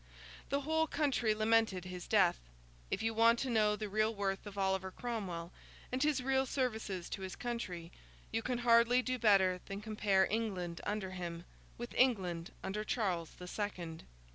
The whole country lamented his death. If you want to know the real worth of Oliver Cromwell, and his real services to his country, you can hardly do better than compare England under him, with England under Charles the Second.